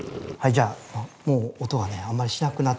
じゃあもう音がねあんまりしなくなってきました。